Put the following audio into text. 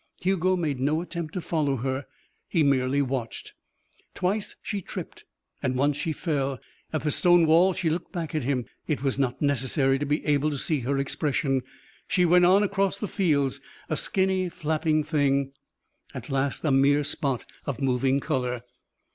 Hugo made no attempt to follow her. He merely watched. Twice she tripped and once she fell. At the stone wall she looked back at him. It was not necessary to be able to see her expression. She went on across the fields a skinny, flapping thing at last a mere spot of moving colour.